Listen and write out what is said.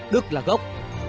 đức là gốc